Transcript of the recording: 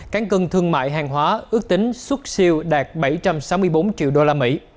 cán cân thương mại hàng hóa ước tính xuất siêu đạt bảy trăm sáu mươi bốn triệu usd